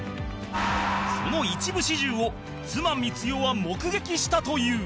その一部始終を妻光代は目撃したという